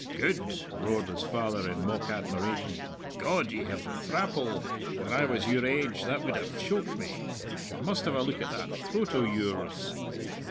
"Good!" roared his father in mock admiration. "God, ye have the thrapple! When I was your age that would have choked me. I must have a look at that throat o' yours.